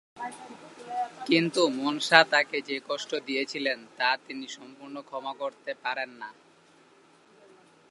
কিন্তু মনসা তাকে যে কষ্ট দিয়েছিলেন, তা তিনি সম্পূর্ণ ক্ষমা করতে পারেন না।